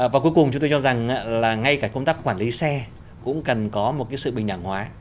và cuối cùng chúng tôi cho rằng là ngay cả công tác quản lý xe cũng cần có một cái sự bình đẳng hóa